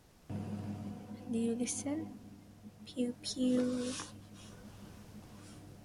The gazelle antelopes may, then, be said to have their horns lyre-shaped.